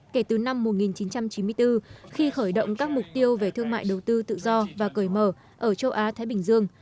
kể từ năm một nghìn chín trăm chín mươi bốn khi khởi động các mục tiêu về thương mại đầu tư tự do và cởi mở ở châu á thái bình dương